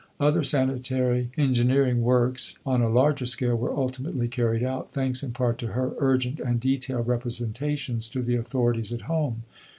Other sanitary engineering works, on a larger scale, were ultimately carried out, thanks in part to her urgent and detailed representations to the authorities at home.